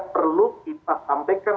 perlu kita sampaikan